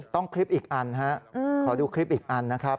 คลิปอีกอันฮะขอดูคลิปอีกอันนะครับ